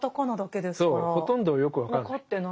ほとんどよく分かんない。